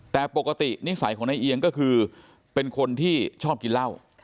แต่ปกตินิสัยของนายเอียงก็คือเป็นคนที่ชอบกินเหล้า